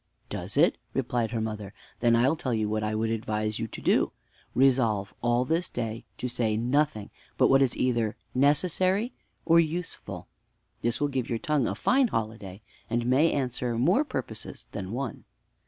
"Does it?" replied her mother; "then I'll tell you what I would advise you to do. Resolve all this day to say nothing but what is either necessary or useful; this will give your tongue a fine holiday, and may answer more purposes than one."